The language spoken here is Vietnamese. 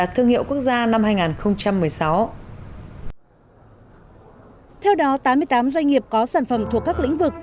theo đó tám mươi tám doanh nghiệp có sản phẩm thuộc các lĩnh vực